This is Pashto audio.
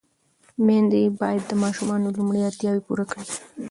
مېندې باید د ماشوم لومړني اړتیاوې پوره کړي.